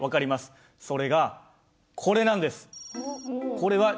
それがこれなんです。